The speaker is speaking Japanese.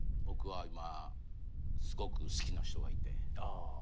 僕は今すごく好きな人がいて。